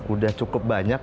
udah cukup banyak